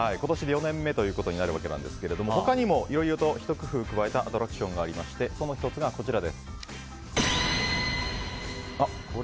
今年で４年目となるわけですが他にもいろいろとひと工夫加えたアトラクションがありましてその１つが、こちら。